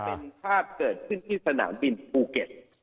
เป็นภาพเกิดขึ้นที่สนามบินภูเก็ต